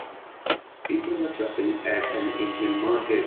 People are shopping at an Asian market.